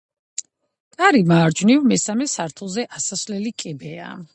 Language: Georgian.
კარის მარჯვნივ მესამე სართულზე ასასვლელი კიბეა.